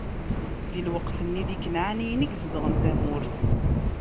Di lweqt-nni, d Ikanɛaniyen i yezedɣen tamurt.